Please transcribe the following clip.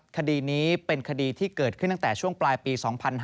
คดีนี้เป็นคดีที่เกิดขึ้นตั้งแต่ช่วงปลายปี๒๕๕๙